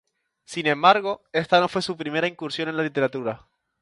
Sin embargo, esta no fue su primera incursión en la literatura.